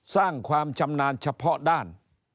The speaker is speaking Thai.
สร้างความชำนาญเฉพาะด้าน